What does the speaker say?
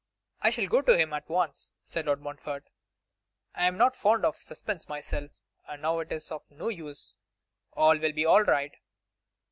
'I shall go to him at once,' said Lord Montfort; 'I am not fond of suspense myself, and now it is of no use. All will be right.